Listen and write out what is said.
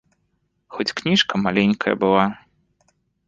Хоць кніжка маленькая была.